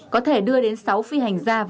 có thể đưa đến sáu phi hành ra